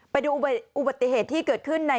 ไปดูอุบัติเหตุที่เกิดขึ้นใน